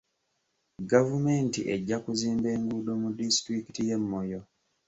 Gavumenti ejja kuzimba enguudo mu disitulikiti y'e Moyo.